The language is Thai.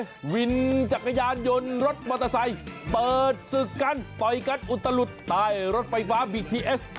วินจักรยานยนต์รถมอเตอร์ไซค์เปิดศึกกันต่อยกันอุตลุดใต้รถไฟฟ้าบีทีเอส